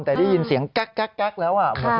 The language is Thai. แต่ได้ยินเสียงแก๊กแล้ว